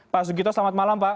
pak sugito selamat malam pak